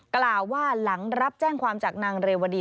กล่าวว่าหลังรับแจ้งความจากนางเรวดี